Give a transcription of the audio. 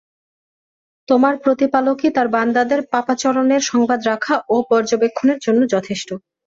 তোমার প্রতিপালকই তার বান্দাদের পাপাচরণের সংবাদ রাখা ও পর্যবেক্ষণের জন্য যথেষ্ট।